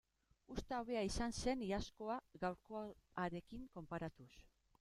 Uzta hobea izan zen iazkoa gaurkoarekin konparatuz.